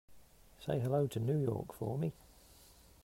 Say hello to New York for me.